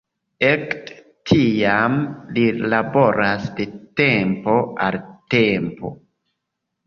Ekde tiam li laboras de tempo al tempo.